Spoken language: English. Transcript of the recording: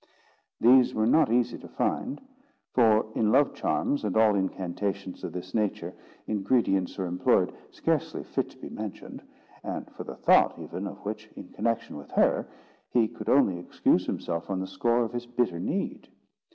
These were not easy to find; for, in love charms and all incantations of this nature, ingredients are employed scarcely fit to be mentioned, and for the thought even of which, in connexion with her, he could only excuse himself on the score of his bitter need.